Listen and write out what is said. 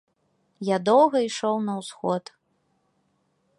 Я доўга ішоў на ўсход.